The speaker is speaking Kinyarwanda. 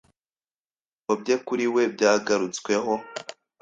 Ibyiyumvo bye kuri we byagarutsweho.